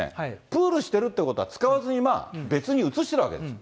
プールしてるってことは、使わずに別に移してるわけです。